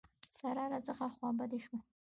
سارا راڅخه خوابدې شوه.